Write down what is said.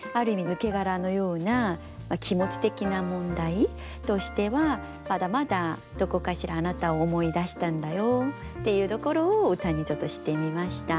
抜け殻のような気持ち的な問題としてはまだまだどこかしらあなたを思い出したんだよっていうところを歌にちょっとしてみました。